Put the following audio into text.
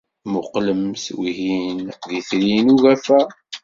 Mmuqqlemt, wihin d Itri n Ugafa.